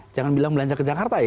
jangan bilang belanja ke jakarta ya